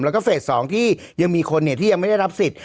แล้วก็เฟส๒ที่ยังมีคนที่ยังไม่ได้รับสิทธิ